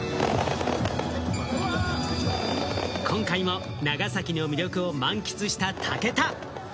今回も長崎の魅力を満喫した武田。